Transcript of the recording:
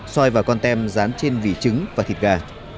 xoay vào con tem dán trên vỉ trứng và thịt gà